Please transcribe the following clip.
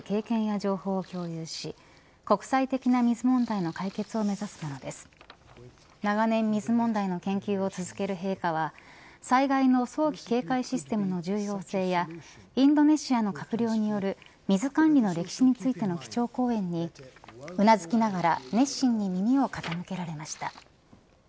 長年、水問題の研究を続ける陛下は災害の早期警戒システムの重要性やインドネシアの閣僚による水管理の歴史についての基調講演にうなずきながら熱心に耳を傾けられました。